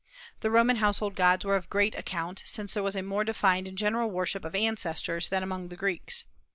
The Roman household gods were of great account, since there was a more defined and general worship of ancestors than among the Greeks.